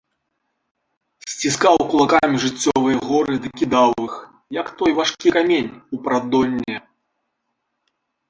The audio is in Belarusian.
Сціскаў кулакамі жыццёвыя горы ды кідаў іх, як той важкі камень, у прадонне.